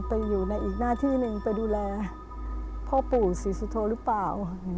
ไปอยู่ในอีกหน้าที่หนึ่งไปดูแลพ่อปู่ศรีสุโธหรือเปล่า